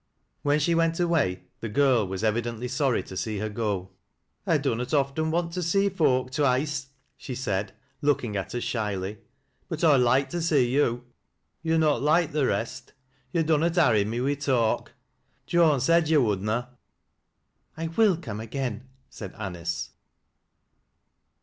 When she went away, the girl was evidently sorry to see her go. " I dunnot often want to see folk twice," she said, look ing at her shyly, " but I'd loike to see yo'. Yo're not loike th' rest. Yo' dunnot harry me wi' talk. Joan said yo' would na." " I will come again," said Anice.